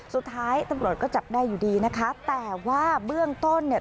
สุดท้ายตำรวจก็จับได้อยู่ดีนะคะแต่ว่าเบื้องต้นเนี่ย